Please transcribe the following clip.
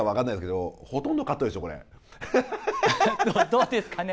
どうですかね。